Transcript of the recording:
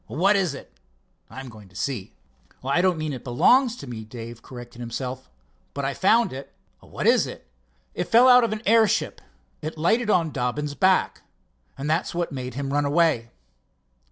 "What is it? I'm going to see." "I don't mean that it belongs to me," Dave corrected himself, "but I found it." "What is it?" "It fell out of an airship. It lighted on Dobbin's back. That's what made him run away."